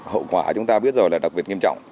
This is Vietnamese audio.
hậu quả chúng ta biết rồi là đặc biệt nghiêm trọng